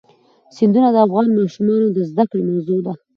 سیندونه د افغان ماشومانو د زده کړې موضوع ده.